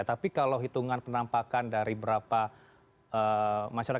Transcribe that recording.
tapi kalau hitungan penampakan dari berapa masyarakat